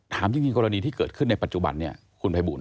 ถามจริงกรณีที่เกิดขึ้นในปัจจุบันเนี่ยคุณภัยบูล